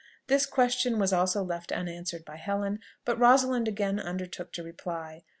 This question was also left unanswered by Helen; but Rosalind again undertook to reply.